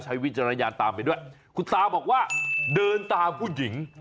วิจารณญาณตามไปด้วยคุณตาบอกว่าเดินตามผู้หญิง